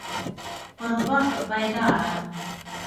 پر بخت بيداره